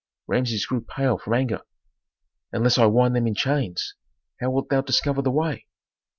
Rameses grew pale from anger. "Unless I wind them in chains! How wilt thou discover the way?"